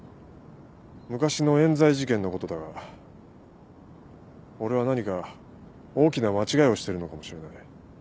昔の冤罪事件のことだが俺は何か大きな間違いをしているのかもしれない。